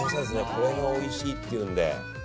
これがおいしいってことで。